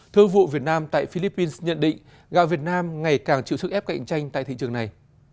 thương vụ việt nam tại philippines nhận định gạo việt nam ngày càng chịu sức ép cạnh tranh tại thị trường này